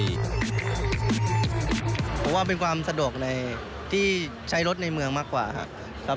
ผมว่าเป็นความสะดวกในที่ใช้รถในเมืองมากกว่าครับ